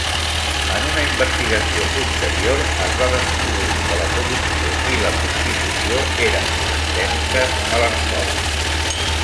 En una investigació posterior, es va descobrir que la corrupció i la prostitució eren endèmiques a l'escola.